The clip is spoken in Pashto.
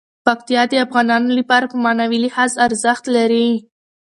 پکتیا د افغانانو لپاره په معنوي لحاظ ارزښت لري.